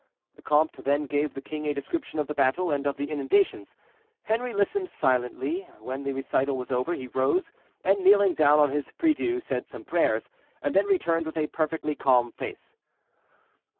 The comte then gave the king a description of the battle, and of the inundations. Henri listened silently. When the recital was over, he rose, and kneeling down on his prie Dieu, said some prayers, and then returned with a perfectly calm face.